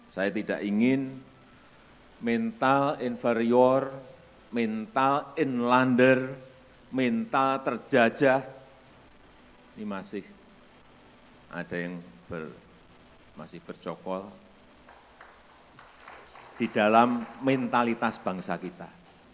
saya tidak ingin mental inferior mental inlander mental terjajah ini masih ada yang masih bercokol di dalam mentalitas bangsa kita